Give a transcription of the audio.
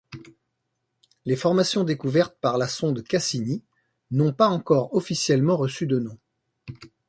Les formations découvertes par la sonde Cassini n'ont pas encore officiellement reçu de nom.